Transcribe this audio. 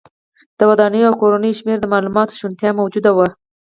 د ودانیو او کورونو شمېر د معلومولو شونتیا موجوده وه.